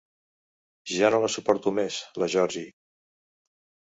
Ja no la suporto més, la Georgie.